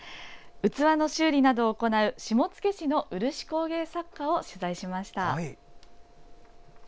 器の修理などを行う、下野市の漆工芸作家を取材しました。